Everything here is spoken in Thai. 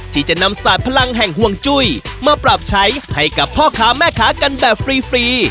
ที่จะนำศาสตร์พลังแห่งห่วงจุ้ยมาปรับใช้ให้กับพ่อค้าแม่ค้ากันแบบฟรี